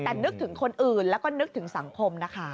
แต่นึกถึงคนอื่นแล้วก็นึกถึงสังคมนะคะ